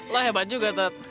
lo hebat juga tet